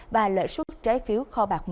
và lợi xuất trái phiếu kho bạc mỹ